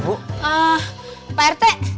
siap pak rete